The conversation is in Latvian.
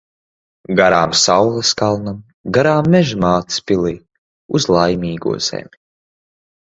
Garām saules kalnam, garām Meža mātes pilij. Uz Laimīgo zemi.